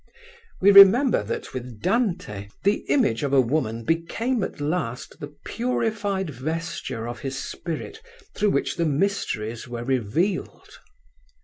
We remember that with Dante, the image of a woman became at last the purified vesture of his spirit through which the mysteries were revealed.